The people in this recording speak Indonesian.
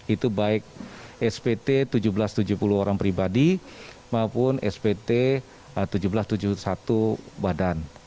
itu baik spt seribu tujuh ratus tujuh puluh orang pribadi maupun spt seribu tujuh ratus tujuh puluh satu badan